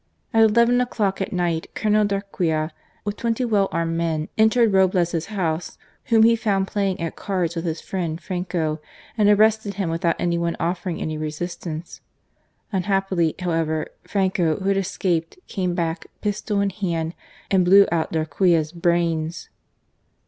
At eleven o'clock at night Colonel Darquea with twenty well armed men entered Roblez's house, whom he found playing at cards with his friend Franco, and arrested him without any one offering any resistance. Unhappily, however, Franco, who had escaped, came back, pistol in hand and blew out Darquea*s brains.